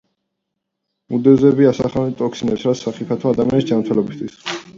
მედუზები ასხივებენ ტოქსინებს, რაც სახიფათოა ადამიანის ჯანმრთელობისათვის.